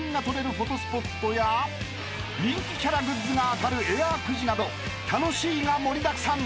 フォトスポットや人気キャラグッズが当たるエアーくじなど楽しいが盛りだくさん］